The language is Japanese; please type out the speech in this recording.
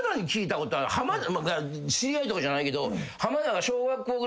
知り合いとかじゃないけど浜田が。